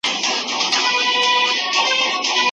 مامورین باید ریښتیني وي.